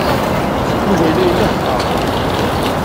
Yuba yella inehheṛ.